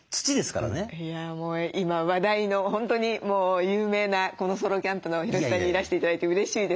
いやもう今話題の本当にもう有名なソロキャンプのヒロシさんにいらして頂いてうれしいです。